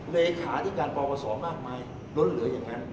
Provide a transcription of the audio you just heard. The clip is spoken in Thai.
เลขาที่การบอกว่าสอบมากมายล้นเหลืออย่างนั้น